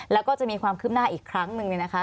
แล้วก็จะมีความขึ้นหน้าอีกครั้งหนึ่งนะคะ